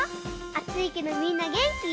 あついけどみんなげんき？